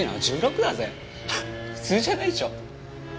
普通じゃないでしょ。